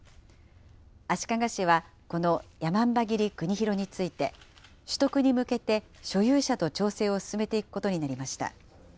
足利市はこの山姥切国広について、取得に向けて所有者と調整を進めていくことになりました。